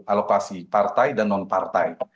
alokasi partai dan non partai